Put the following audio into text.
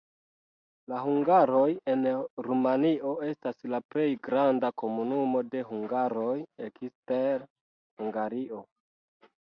La hungaroj en Rumanio estas la plej granda komunumo de hungaroj ekster Hungario.